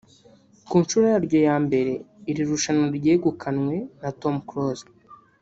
Ku nshuro yaryo ya mbere iri rushanwa ryegukanywe na Tom Close